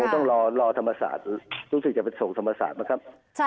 ต้องรอธรรมศาสตร์รู้สึกจะไปส่งธรรมศาสตร์บ้างครับ